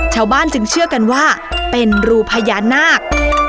ชาวบ้านจึงเชื่อกันว่าเป็นรูพญานาค